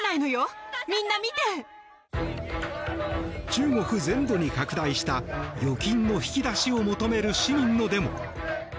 中国全土に拡大した預金の引き出しを求める市民のデモ。